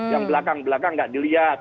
yang belakang belakang tidak dilihat